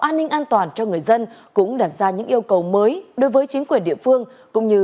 an ninh an toàn cho người dân cũng đặt ra những yêu cầu mới đối với chính quyền địa phương cũng như